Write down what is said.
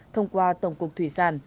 thông qua tổng cục thủy sản